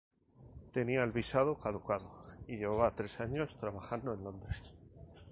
Tenía el visado caducado y llevaba tres años trabajando en Londres.